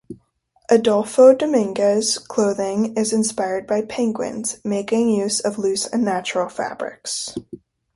Adolfo Dominguez clothing is inspired by penguins, making use of loose and natural fabrics.